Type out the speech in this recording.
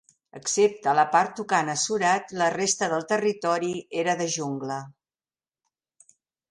Excepte la part tocant a Surat la resta del territori era de jungla.